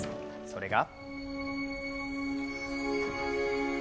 それが。